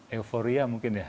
euforia mungkin ya